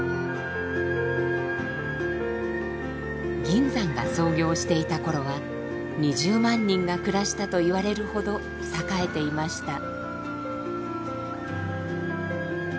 銀山が操業していた頃は２０万人が暮らしたと言われるほど栄えていました。